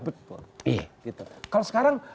betul kalau sekarang